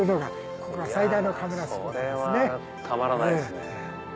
それはたまらないですね。